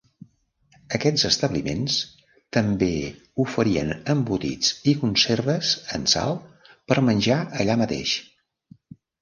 Aquests establiments també oferien embotits i conserves en sal per menjar allà mateix.